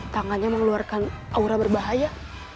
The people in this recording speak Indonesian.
tangannya mengeluarkan aura berbahaya